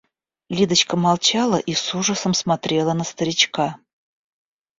Лидочка молчала и с ужасом смотрела на старичка.